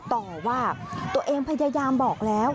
ต่อว่าตัวเองพยายามบอกแล้ว